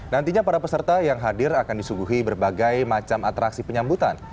nantinya para peserta yang hadir akan disuguhi berbagai macam atraksi penyambutan